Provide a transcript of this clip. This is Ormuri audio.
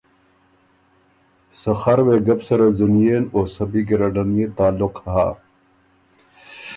سخر وېګه بو سَرَه ځُنئېن او سۀ بی ګیرډن يې تعلق هۀ۔